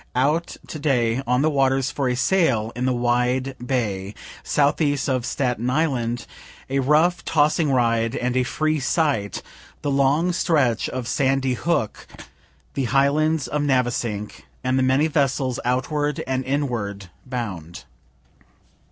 Out to day on the waters for a sail in the wide bay, southeast of Staten island a rough, tossing ride, and a free sight the long stretch of Sandy Hook, the highlands of Navesink, and the many vessels outward and inward bound.